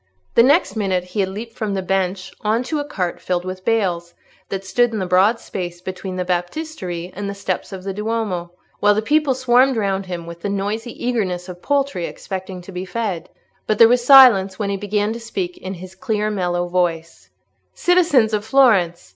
The next minute he had leaped from the bench on to a cart filled with bales, that stood in the broad space between the Baptistery and the steps of the Duomo, while the people swarmed round him with the noisy eagerness of poultry expecting to be fed. But there was silence when he began to speak in his clear mellow voice— "Citizens of Florence!